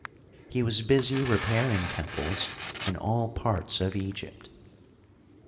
He was busy repairing temples in aU parts of Egypt.